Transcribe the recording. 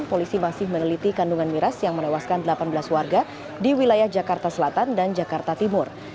polisi masih meneliti kandungan miras yang menewaskan delapan belas warga di wilayah jakarta selatan dan jakarta timur